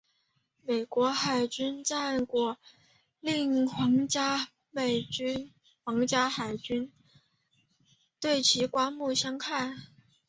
美国海军的战果令皇家海军对其刮目相看。